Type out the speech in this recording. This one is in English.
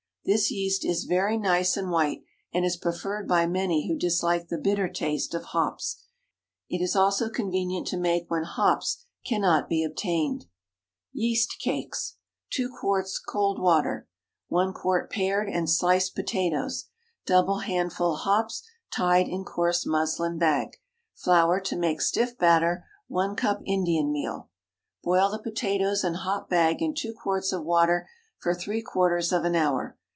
This yeast is very nice and white, and is preferred by many who dislike the bitter taste of hops. It is also convenient to make when hops cannot be obtained. YEAST CAKES. ✠ 2 quarts water (cold.) 1 quart pared and sliced potatoes. Double handful hops, tied in coarse muslin bag. Flour to make stiff batter. 1 cup Indian meal. Boil the potatoes and hop bag in two quarts of water for three quarters of an hour.